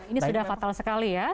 ini sudah fatal sekali ya